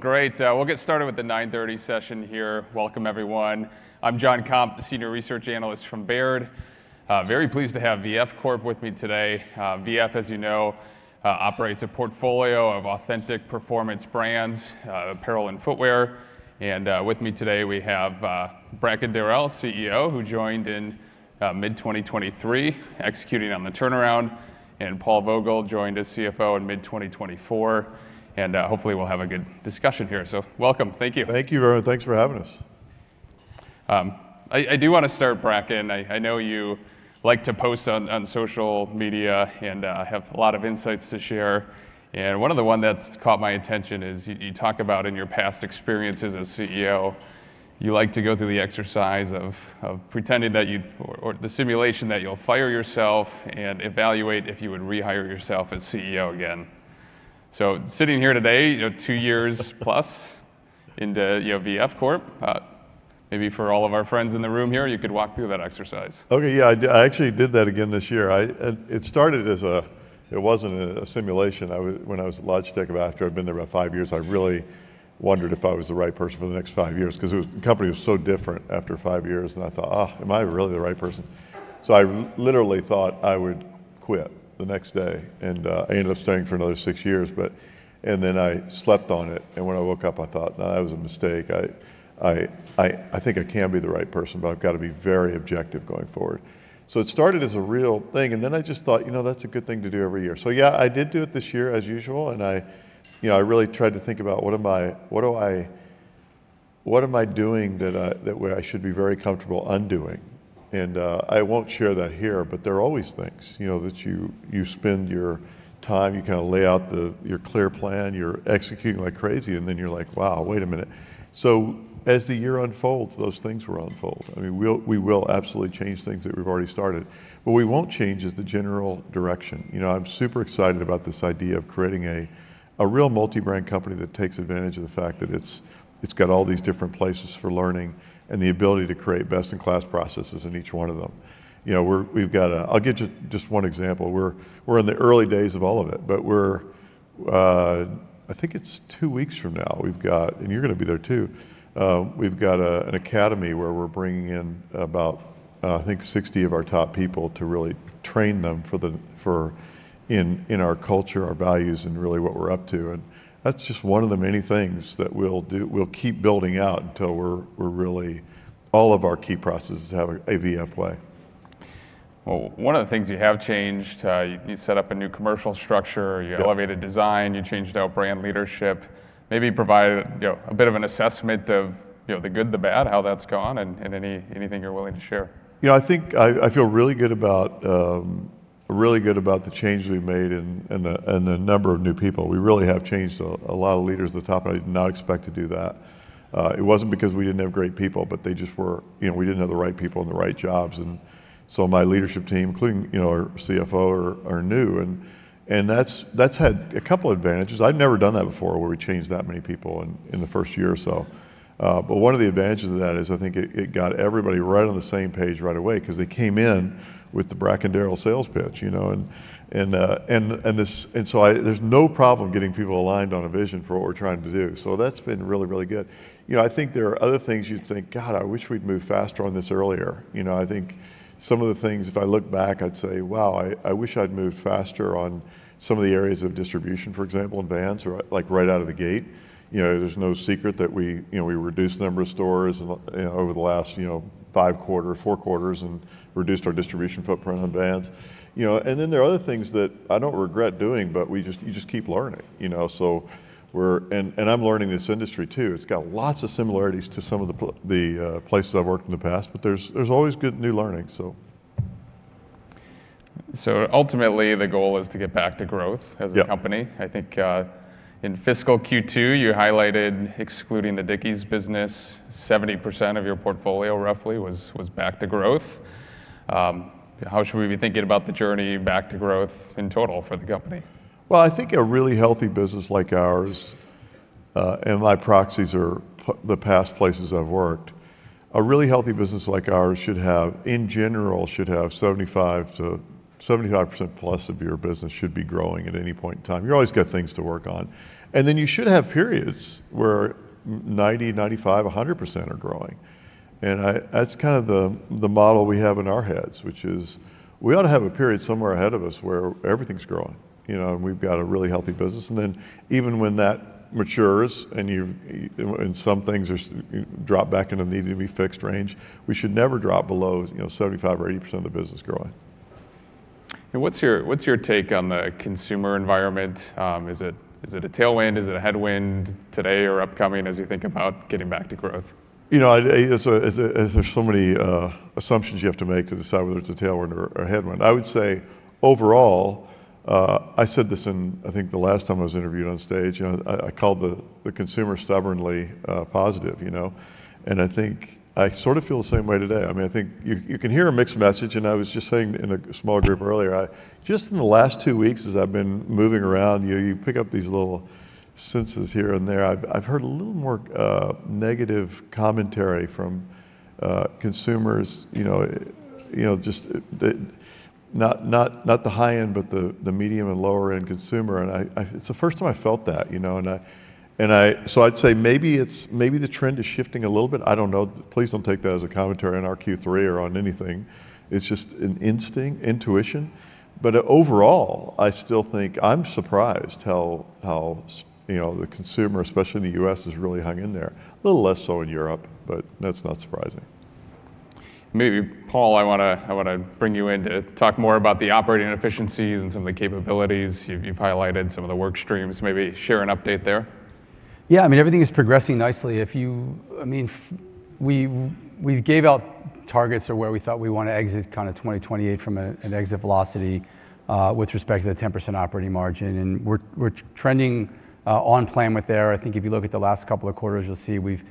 Great. We'll get started with the 9:30 A.M. session here. Welcome, everyone. I'm Jonathan Komp, the senior research analyst from Baird. Very pleased to have VF Corp with me today. VF Corp, as you know, operates a portfolio of authentic performance brands, apparel, and footwear. With me today, we have Bracken Darrell, CEO, who joined in mid-2023 executing on the turnaround. Paul Vogel joined us, CFO, in mid-2024. Hopefully, we'll have a good discussion here. Welcome. Thank you. Thank you, everyone. Thanks for having us. I do want to start, Bracken. I know you like to post on social media and have a lot of insights to share. And one of the ones that's caught my attention is you talk about in your past experiences as CEO, you like to go through the exercise of pretending that you or the simulation that you'll fire yourself and evaluate if you would rehire yourself as CEO again. So sitting here today, two years plus into VF Corp, maybe for all of our friends in the room here, you could walk through that exercise. Ok, yeah. I actually did that again this year. It started as a, it wasn't a simulation. When I was at Logitech, after I'd been there about five years, I really wondered if I was the right person for the next five years because the company was so different after five years, and I thought, oh, am I really the right person? So I literally thought I would quit the next day, and I ended up staying for another six years. And then I slept on it, and when I woke up, I thought, no, that was a mistake. I think I can be the right person, but I've got to be very objective going forward. So it started as a real thing, and then I just thought, you know, that's a good thing to do every year. So yeah, I did do it this year, as usual. I really tried to think about what am I doing that I should be very comfortable undoing? And I won't share that here, but there are always things that you spend your time, you kind of lay out your clear plan, you're executing like crazy, and then you're like, wow, wait a minute. So as the year unfolds, those things will unfold. I mean, we will absolutely change things that we've already started. What we won't change is the general direction. I'm super excited about this idea of creating a real multi-brand company that takes advantage of the fact that it's got all these different places for learning and the ability to create best-in-class processes in each one of them. I'll give you just one example. We're in the early days of all of it, but I think it's two weeks from now. You're going to be there, too. We've got an academy where we're bringing in about, I think, 60 of our top people to really train them in our culture, our values, and really what we're up to. That's just one of the many things that we'll keep building out until we're really all of our key processes have a VF Way. One of the things you have changed, you set up a new commercial structure, you elevated design, you changed out brand leadership, maybe provided a bit of an assessment of the good, the bad, how that's gone, and anything you're willing to share. You know, I think I feel really good about the change we've made and the number of new people. We really have changed a lot of leaders at the top. I did not expect to do that. It wasn't because we didn't have great people, but we didn't have the right people in the right jobs, and so my leadership team, including our CFO, are new, and that's had a couple of advantages. I've never done that before where we changed that many people in the first year or so, but one of the advantages of that is I think it got everybody right on the same page right away because they came in with the Bracken Darrell sales pitch, and so there's no problem getting people aligned on a vision for what we're trying to do. So that's been really, really good. I think there are other things you'd think, God, I wish we'd moved faster on this earlier. I think some of the things, if I look back, I'd say, wow, I wish I'd moved faster on some of the areas of distribution, for example, in Vans, like right out of the gate. There's no secret that we reduced the number of stores over the last five quarters, four quarters, and reduced our distribution footprint on Vans. And then there are other things that I don't regret doing, but you just keep learning. And I'm learning this industry, too. It's got lots of similarities to some of the places I've worked in the past, but there's always good new learning, so. So ultimately, the goal is to get back to growth as a company. I think in fiscal Q2, you highlighted excluding the Dickies business, 70% of your portfolio, roughly, was back to growth. How should we be thinking about the journey back to growth in total for the company? I think a really healthy business like ours, and my proxies are the past places I've worked, a really healthy business like ours should have, in general, should have 75%+ of your business should be growing at any point in time. You always got things to work on. Then you should have periods where 90%, 95%, 100% are growing. That's kind of the model we have in our heads, which is we ought to have a period somewhere ahead of us where everything's growing. We've got a really healthy business. Then even when that matures and some things drop back into the need-to-be-fixed range, we should never drop below 75% or 80% of the business growing. What's your take on the consumer environment? Is it a tailwind? Is it a headwind today or upcoming as you think about getting back to growth? You know, there's so many assumptions you have to make to decide whether it's a tailwind or a headwind. I would say, overall, I said this in, I think, the last time I was interviewed on stage. I called the consumer stubbornly positive, and I think I sort of feel the same way today. I mean, I think you can hear a mixed message, and I was just saying in a small group earlier, just in the last two weeks, as I've been moving around, you pick up these little senses here and there. I've heard a little more negative commentary from consumers, just not the high-end, but the medium and lower-end consumer, and it's the first time I felt that, and so I'd say maybe the trend is shifting a little bit. I don't know. Please don't take that as a commentary on our Q3 or on anything. It's just an instinct, intuition. But overall, I still think I'm surprised how the consumer, especially in the U.S., has really hung in there. A little less so in Europe, but that's not surprising. Maybe, Paul, I want to bring you in to talk more about the operating efficiencies and some of the capabilities you've highlighted, some of the work streams. Maybe share an update there. Yeah, I mean, everything is progressing nicely. I mean, we gave out targets of where we thought we want to exit kind of 2028 from an exit velocity with respect to the 10% operating margin, and we're trending on plan with there. I think if you look at the last couple of quarters, you'll see we've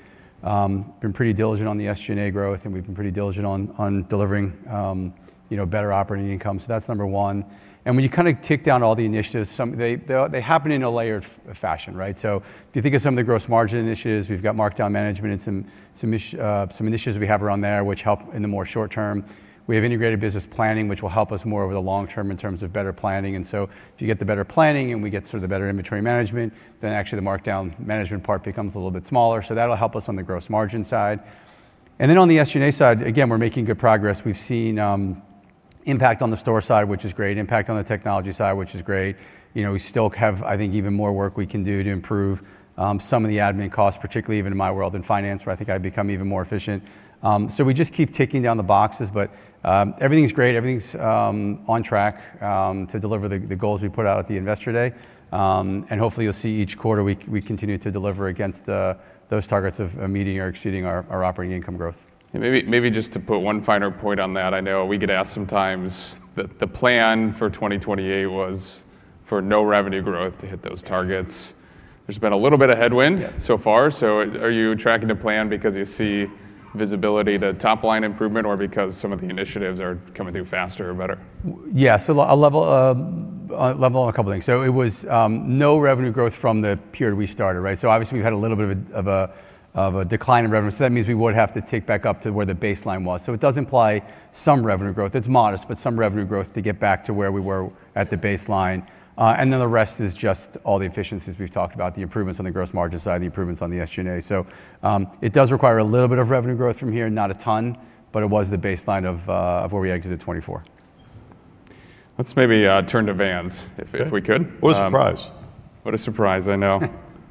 been pretty diligent on the SG&A growth, and we've been pretty diligent on delivering better operating income. So that's number one, and when you kind of take down all the initiatives, they happen in a layered fashion, so if you think of some of the gross margin initiatives, we've got markdown management and some initiatives we have around there which help in the more short term. We have Integrated Business Planning, which will help us more over the long term in terms of better planning. And so if you get the better planning and we get sort of the better inventory management, then actually the markdown management part becomes a little bit smaller. So that'll help us on the gross margin side. And then on the SG&A side, again, we're making good progress. We've seen impact on the store side, which is great, impact on the technology side, which is great. We still have, I think, even more work we can do to improve some of the admin costs, particularly even in my world in finance, where I think I've become even more efficient. So we just keep ticking down the boxes. But everything's great. Everything's on track to deliver the goals we put out at the investor day. And hopefully, you'll see each quarter we continue to deliver against those targets of meeting or exceeding our operating income growth. Maybe just to put one finer point on that, I know we get asked sometimes that the plan for 2028 was for no revenue growth to hit those targets. There's been a little bit of headwind so far. So are you tracking the plan because you see visibility to top line improvement or because some of the initiatives are coming through faster or better? Yeah, so I'll level on a couple of things. So it was no revenue growth from the period we started. So obviously, we've had a little bit of a decline in revenue. So that means we would have to take back up to where the baseline was. So it does imply some revenue growth. It's modest, but some revenue growth to get back to where we were at the baseline. And then the rest is just all the efficiencies we've talked about, the improvements on the gross margin side, the improvements on the SG&A. So it does require a little bit of revenue growth from here, not a ton, but it was the baseline of where we exited 2024. Let's maybe turn to Vans, if we could. What a surprise. What a surprise, I know.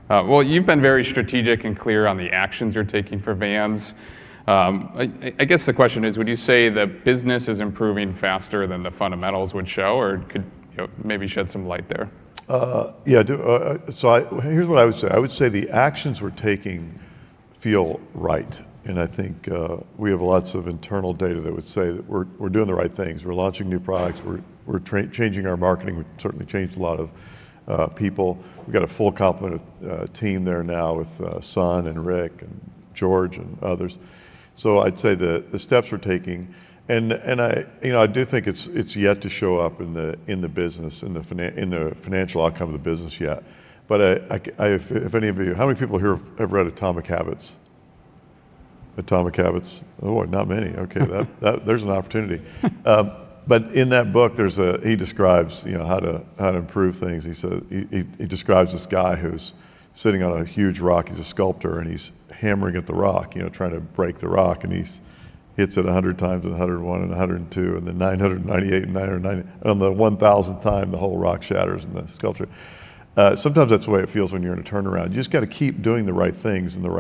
Well, you've been very strategic and clear on the actions you're taking for Vans. I guess the question is, would you say the business is improving faster than the fundamentals would show or could maybe shed some light there? Yeah, so here's what I would say. I would say the actions we're taking feel right, and I think we have lots of internal data that would say that we're doing the right things. We're launching new products. We're changing our marketing. We've certainly changed a lot of people. We've got a full complement of team there now with Sun and Rick and George and others. So I'd say the steps we're taking, and I do think it's yet to show up in the business, in the financial outcome of the business yet, but if any of you, how many people here have read Atomic Habits? Atomic Habits? Oh, not many. Ok, there's an opportunity, but in that book, he describes how to improve things. He describes this guy who's sitting on a huge rock. He's a sculptor, and he's hammering at the rock, trying to break the rock. And he hits it 100x and 101x and 102x and then 998x and 990x. And on the 1,000th time, the whole rock shatters in the sculpture. Sometimes that's the way it feels when you're in a turnaround. You just got to keep doing the right things, and the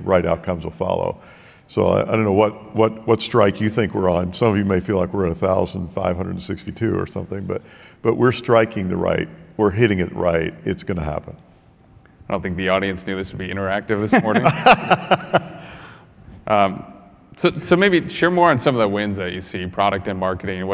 right outcomes will follow. So I don't know what strike you think we're on. Some of you may feel like we're at 1,562 or something. But we're striking the right. We're hitting it right. It's going to happen. I don't think the audience knew this would be interactive this morning. So maybe share more on some of the wins that you see, product and marketing.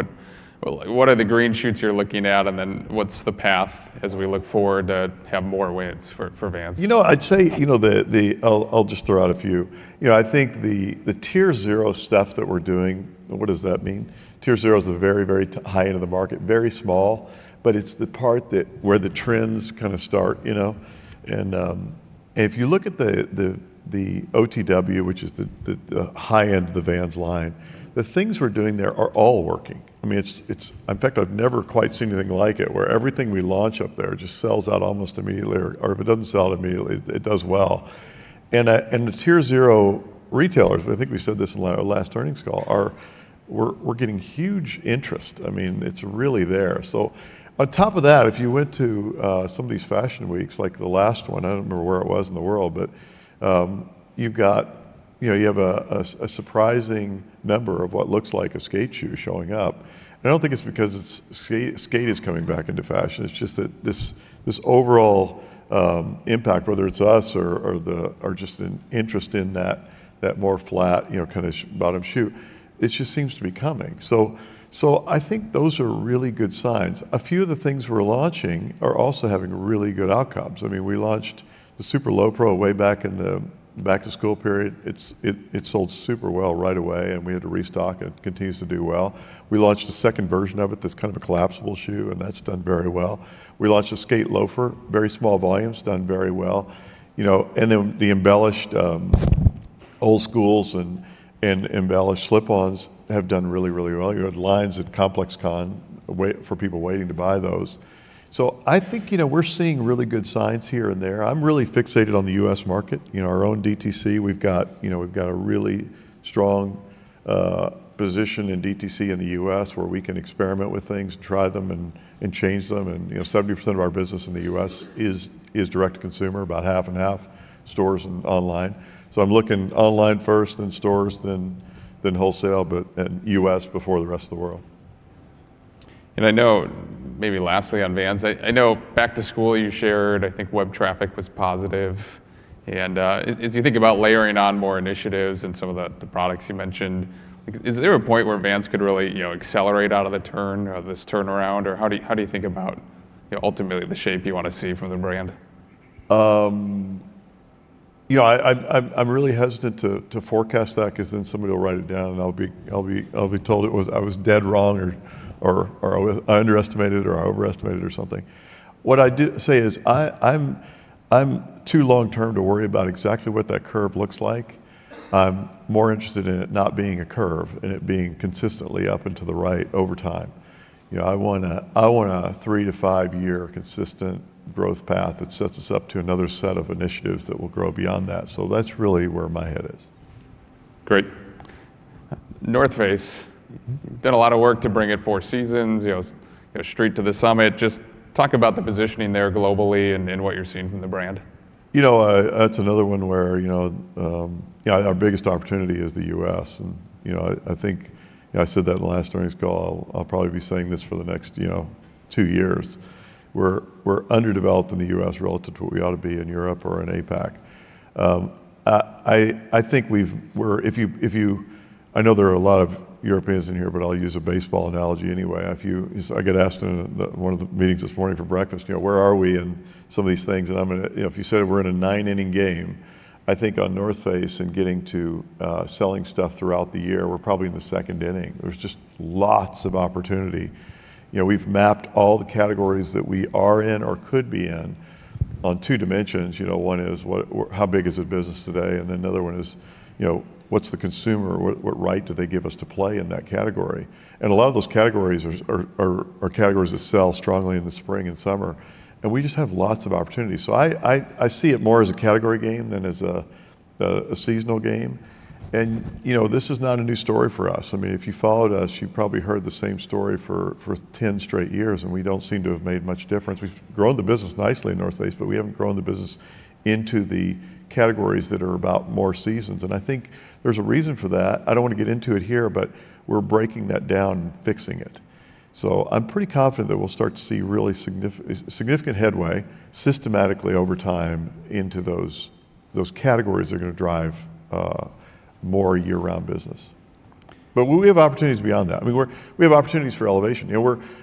What are the green shoots you're looking at? And then what's the path as we look forward to have more wins for Vans? You know, I'd say I'll just throw out a few. I think the Tier Zero stuff that we're doing, what does that mean? Tier Zero is the very, very high end of the market, very small. But it's the part where the trends kind of start. And if you look at the OTW, which is the high end of the Vans line, the things we're doing there are all working. I mean, in fact, I've never quite seen anything like it, where everything we launch up there just sells out almost immediately, or if it doesn't sell out immediately, it does well. And the Tier Zero retailers, I think we said this in our last earnings call, we're getting huge interest. I mean, it's really there. So on top of that, if you went to some of these fashion weeks, like the last one, I don't remember where it was in the world, but you have a surprising number of what looks like a skate shoe showing up, and I don't think it's because skate is coming back into fashion. It's just that this overall impact, whether it's us or just an interest in that more flat kind of bottom shoe, it just seems to be coming, so I think those are really good signs. A few of the things we're launching are also having really good outcomes. I mean, we launched the Super Low Pro way back in the back-to-school period. It sold super well right away, and we had to restock. It continues to do well. We launched a second version of it that's kind of a collapsible shoe, and that's done very well. We launched a Skate Loafer, very small volumes, done very well, and then the embellished Old Skools and embellished Slip-Ons have done really, really well. You had lines at ComplexCon for people waiting to buy those. So I think we're seeing really good signs here and there. I'm really fixated on the U.S. market, our own DTC. We've got a really strong position in DTC in the U.S. where we can experiment with things and try them and change them, and 70% of our business in the U.S. is Direct-To-Consumer, about 1/2 and1/2 stores and online, so I'm looking online first, then stores, then wholesale, and U.S. before the rest of the world. I know maybe lastly on Vans. I know back to school you shared, I think web traffic was positive. As you think about layering on more initiatives and some of the products you mentioned, is there a point where Vans could really accelerate out of this turnaround? How do you think about ultimately the shape you want to see from the brand? You know, I'm really hesitant to forecast that because then somebody will write it down, and I'll be told I was dead wrong or I underestimated or I overestimated or something. What I say is I'm too long-term to worry about exactly what that curve looks like. I'm more interested in it not being a curve and it being consistently up and to the right over time. I want a three-year-five-year consistent growth path that sets us up to another set of initiatives that will grow beyond that. So that's really where my head is. Great. North Face, you've done a lot of work to bring it for all seasons, Street to the Summit. Just talk about the positioning there globally and what you're seeing from the brand. You know, that's another one where our biggest opportunity is the U.S. And I think I said that in the last earnings call. I'll probably be saying this for the next two years. We're underdeveloped in the U.S. relative to what we ought to be in Europe or in APAC. I think if you, I know there are a lot of Europeans in here, but I'll use a baseball analogy anyway. I get asked in one of the meetings this morning for breakfast, where are we in some of these things, and if you said we're in a nine-inning game, I think on North Face and getting to selling stuff throughout the year, we're probably in the second inning. There's just lots of opportunity. We've mapped all the categories that we are in or could be in on two dimensions. One is how big is the business today? And then another one is, what's the consumer? What right do they give us to play in that category? And a lot of those categories are categories that sell strongly in the spring and summer. And we just have lots of opportunities. So I see it more as a category game than as a seasonal game. And this is not a new story for us. I mean, if you followed us, you probably heard the same story for 10 straight years. And we don't seem to have made much difference. We've grown the business nicely in North Face, but we haven't grown the business into the categories that are about more seasons. And I think there's a reason for that. I don't want to get into it here, but we're breaking that down and fixing it. So I'm pretty confident that we'll start to see really significant headway systematically over time into those categories that are going to drive more year-round business. But we have opportunities beyond that. I mean, we have opportunities for elevation.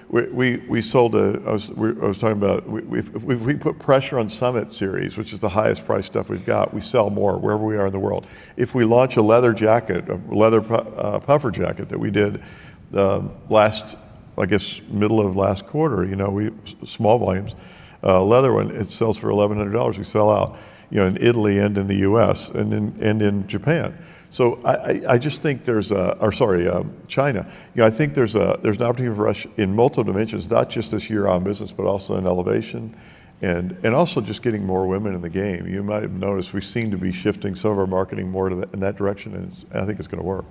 We sold. I was talking about if we put pressure on Summit Series, which is the highest priced stuff we've got, we sell more wherever we are in the world. If we launch a leather jacket, a leather puffer jacket that we did last, I guess, middle of last quarter, small volumes, leather one, it sells for $1,100. We sell out in Italy and in the U.S. and in Japan. So I just think there's, or, sorry, China. I think there's an opportunity for us in multiple dimensions, not just this year-round business, but also in elevation and also just getting more women in the game. You might have noticed we seem to be shifting some of our marketing more in that direction, and I think it's going to work.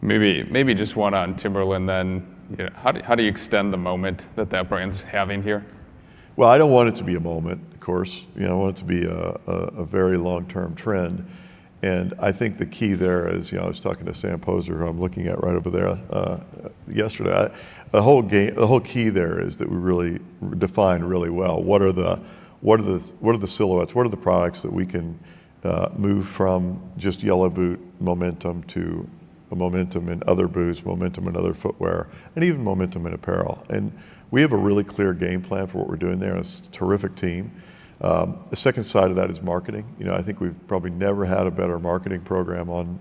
Maybe just one on Timberland then. How do you extend the moment that that brand's having here? I don't want it to be a moment, of course. I want it to be a very long-term trend. I think the key there is I was talking to Sam Poser, who I'm looking at right over there yesterday. The whole key there is that we really define really well what are the silhouettes, what are the products that we can move from just Yellow Boot momentum to momentum in other boots, momentum in other footwear, and even momentum in apparel. We have a really clear game plan for what we're doing there. It's a terrific team. The second side of that is marketing. I think we've probably never had a better marketing program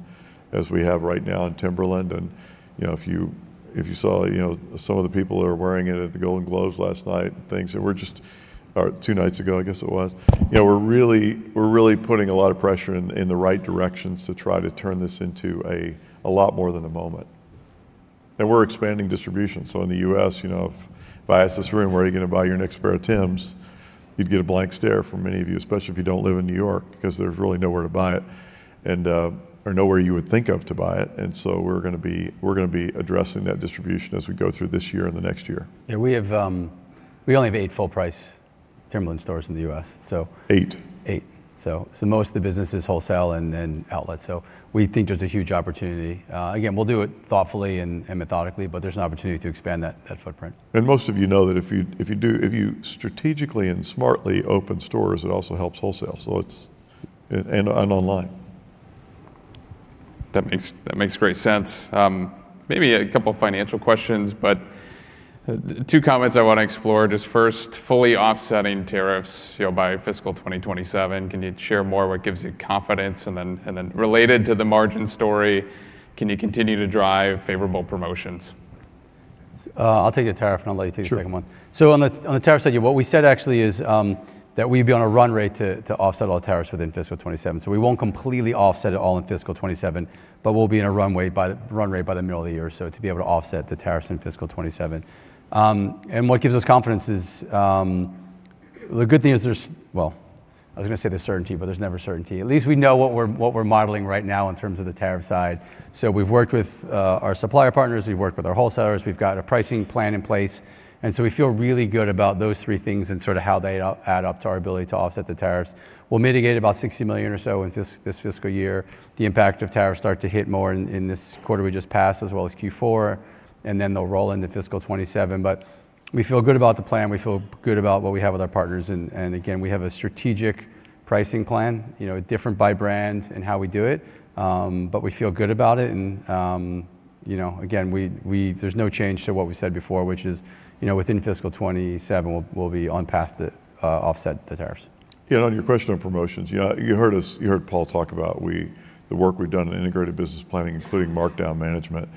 as we have right now in Timberland. And if you saw some of the people that are wearing it at the Golden Globes last night and things, and we're just, or two nights ago, I guess it was, we're really putting a lot of pressure in the right directions to try to turn this into a lot more than a moment. And we're expanding distribution. So in the U.S., if I asked this room, where are you going to buy your next pair of Timbs, you'd get a blank stare from many of you, especially if you don't live in New York, because there's really nowhere to buy it or nowhere you would think of to buy it. And so we're going to be addressing that distribution as we go through this year and the next year. We only have eight full-price Timberland stores in the U.S., so. Eight. Eight. So most of the business is wholesale and outlet. So we think there's a huge opportunity. Again, we'll do it thoughtfully and methodically, but there's an opportunity to expand that footprint. Most of you know that if you strategically and smartly open stores, it also helps wholesale and online. That makes great sense. Maybe a couple of financial questions, but two comments I want to explore. Just first, fully offsetting tariffs by fiscal 2027. Can you share more what gives you confidence? And then related to the margin story, can you continue to drive favorable promotions? I'll take the tariff, and I'll let you take the second one. So on the tariff side, what we said actually is that we'd be on a run rate to offset all tariffs within fiscal 2027. So we won't completely offset it all in fiscal 2027, but we'll be in a run rate by the middle of the year. So to be able to offset the tariffs in fiscal 2027. And what gives us confidence is the good thing is there's, well, I was going to say there's certainty, but there's never certainty. At least we know what we're modeling right now in terms of the tariff side. So we've worked with our supplier partners. We've worked with our wholesalers. We've got a pricing plan in place. And so we feel really good about those three things and sort of how they add up to our ability to offset the tariffs. We'll mitigate about $60 million or so in this fiscal year. The impact of tariffs start to hit more in this quarter we just passed, as well as Q4. And then they'll roll into fiscal 2027. But we feel good about the plan. We feel good about what we have with our partners. And again, we have a strategic pricing plan, different by brand and how we do it. But we feel good about it. And again, there's no change to what we said before, which is within fiscal 2027, we'll be on path to offset the tariffs. And on your question on promotions, you heard Paul talk about the work we've done in Integrated Business Planning, including markdown management.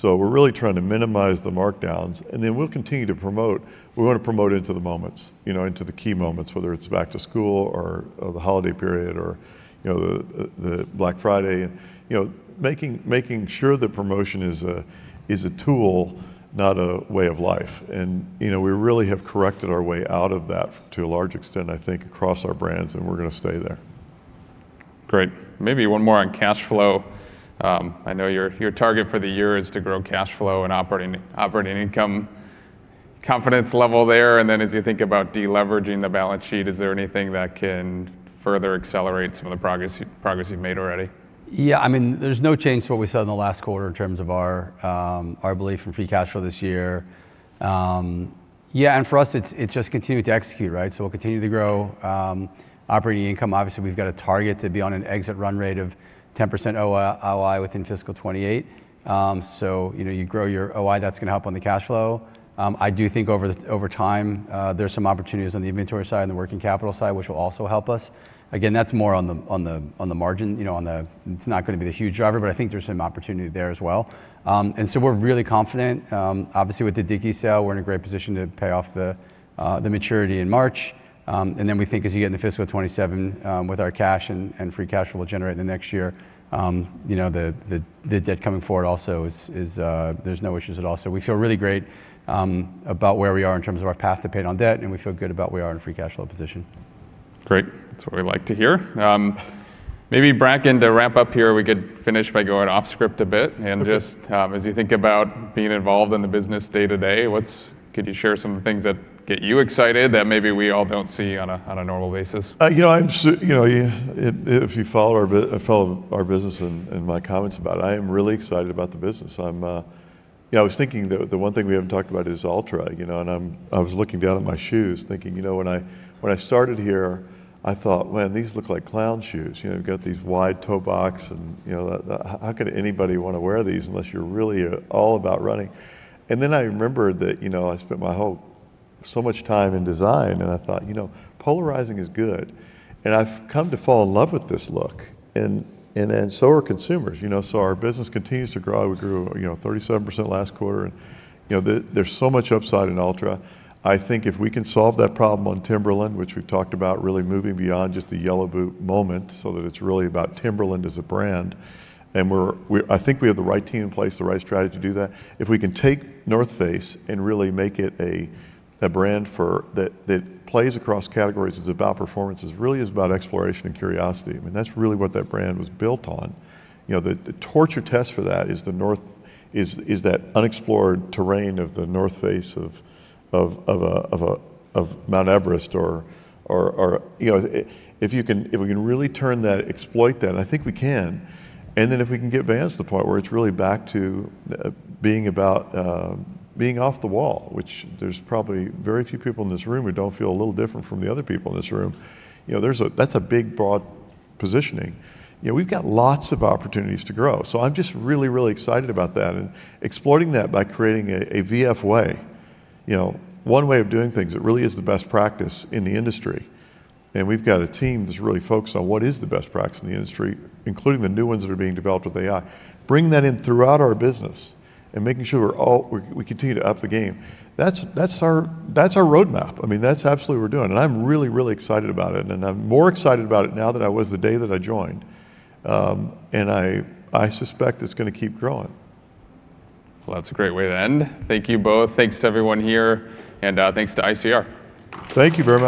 So we're really trying to minimize the markdowns. And then we'll continue to promote. We want to promote into the moments, into the key moments, whether it's back to school or the holiday period or the Black Friday, making sure that promotion is a tool, not a way of life. And we really have corrected our way out of that to a large extent, I think, across our brands. And we're going to stay there. Great. Maybe one more on cash flow. I know your target for the year is to grow cash flow and operating income confidence level there. And then as you think about deleveraging the balance sheet, is there anything that can further accelerate some of the progress you've made already? Yeah. I mean, there's no change to what we saw in the last quarter in terms of our belief in free cash flow this year. Yeah, and for us, it's just continue to execute, right? So we'll continue to grow operating income. Obviously, we've got a target to be on an exit run rate of 10% OI within fiscal 2028. So you grow your OI, that's going to help on the cash flow. I do think over time, there's some opportunities on the inventory side and the working capital side, which will also help us. Again, that's more on the margin. It's not going to be the huge driver, but I think there's some opportunity there as well, and so we're really confident. Obviously, with the Dickies sale, we're in a great position to pay off the maturity in March. And then we think as you get into fiscal 2027 with our cash and free cash flow we'll generate in the next year, the debt coming forward also, there's no issues at all. So we feel really great about where we are in terms of our path to pay down debt. And we feel good about where we are in a free cash flow position. Great. That's what we like to hear. Maybe Bracken, to wrap up here, we could finish by going off script a bit. And just as you think about being involved in the business day to day, could you share some of the things that get you excited that maybe we all don't see on a normal basis? You know, if you follow our business and my comments about it, I am really excited about the business. I was thinking that the one thing we haven't talked about is Altra, and I was looking down at my shoes thinking, you know, when I started here, I thought, man, these look like clown shoes. You've got these wide toe box, and how could anybody want to wear these unless you're really all about running? And then I remembered that I spent my whole so much time in design, and I thought, you know, polarizing is good, and I've come to fall in love with this look, and so are consumers. You know, so our business continues to grow. We grew 37% last quarter, and there's so much upside in Altra. I think if we can solve that problem on Timberland, which we've talked about really moving beyond just the Yellow Boot moment so that it's really about Timberland as a brand, and I think we have the right team in place, the right strategy to do that. If we can take The North Face and really make it a brand that plays across categories, it's about performance. It really is about exploration and curiosity. I mean, that's really what that brand was built on. The torture test for that is that unexplored terrain of The North Face of Mount Everest. Or if we can really exploit that, and I think we can, and then if we can get Vans to the point where it's really back to being off the wall, which there's probably very few people in this room who don't feel a little different from the other people in this room, that's a big broad positioning. We've got lots of opportunities to grow. So I'm just really, really excited about that and exploiting that by creating a V.F. way, one way of doing things that really is the best practice in the industry. And we've got a team that's really focused on what is the best practice in the industry, including the new ones that are being developed with AI. Bring that in throughout our business and making sure we continue to up the game. That's our roadmap. I mean, that's absolutely what we're doing. I'm really, really excited about it. I'm more excited about it now than I was the day that I joined. I suspect it's going to keep growing. Well, that's a great way to end. Thank you both. Thanks to everyone here. And thanks to ICR. Thank you, very much.